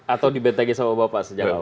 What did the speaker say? atau dibentengi sama bapak sejak awal